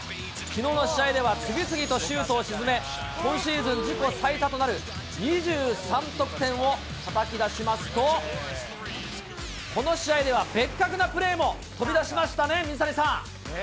きのうの試合では次々とシュートを沈め、今シーズン自己最多となる２３得点をたたき出しますと、この試合ではベッカクなプレーも飛びだしましたね、水谷さん。